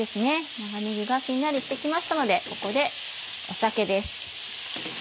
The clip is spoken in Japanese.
長ねぎがしんなりして来ましたのでここで酒です。